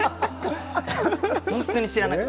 本当に知らない。